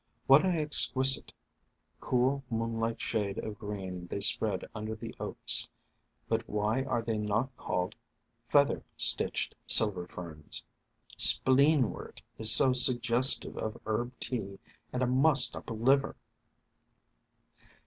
What an exquisite, cool moonlight shade of green they spread under the oaks; but why are they not called Feather stitched Silver Ferns ? Spleenwort is so suggestive of herb tea and a mussed up liver!"